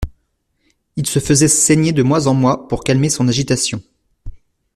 Il se faisait saigner de mois en mois pour calmer son agitation.